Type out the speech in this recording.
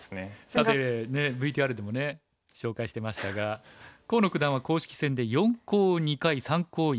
さてＶＴＲでも紹介してましたが河野九段は公式戦で四コウを２回三コウを１回経験。